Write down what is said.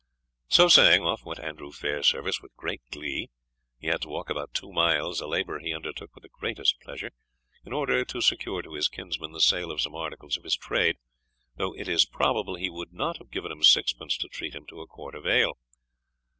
So saying, off went Andrew Fairservice with great glee. He had to walk about two miles, a labour he undertook with the greatest pleasure, in order to secure to his kinsman the sale of some articles of his trade, though it is probable he would not have given him sixpence to treat him to a quart of ale.